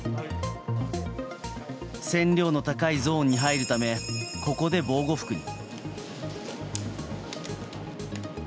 線量の高いゾーンに入るためここで防護服に。